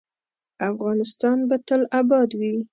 افغانستان به تل اباد وي